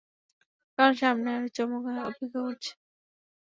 কারণ সামনে আরো চমক অপেক্ষা করছে।